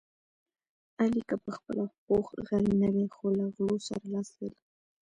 علي که په خپله پوخ غل نه دی، خو له غلو سره لاس لري.